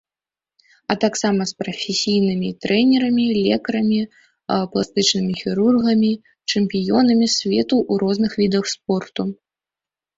А таксама з прафесійнымі трэнерамі, лекарамі, пластычнымі хірургамі, чэмпіёнамі свету ў розных відах спорту.